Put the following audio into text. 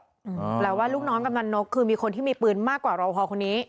แปลว่าลูกน้องกำนันนกคือมีคนที่มีปืนมากกว่ารอพอคนนี้